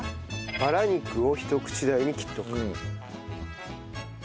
バラ肉をひと口大に切っておく。